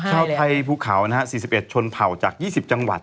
เช้าไทยภูเขา๔๑ชนเผาจาก๒๐จังหวัด